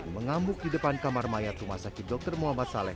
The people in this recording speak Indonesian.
mengamuk di depan kamar mayat rumah sakit dr muhammad saleh